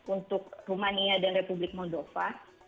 untuk rumania dan republik mondova